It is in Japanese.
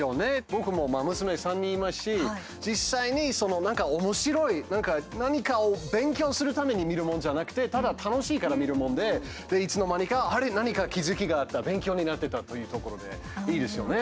僕も娘３人いますし実際に、なんかおもしろい何かを勉強するために見るものじゃなくてただ楽しいから見るものでいつの間にかあれ、何か気付きがあった勉強になってたというところでいいですよね。